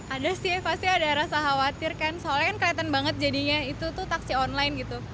ada sih pasti ada rasa khawatir kan soalnya kan kelihatan banget jadinya itu tuh taksi online gitu